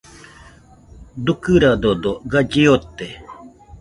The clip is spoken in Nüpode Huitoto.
Dukɨradodo galli ote.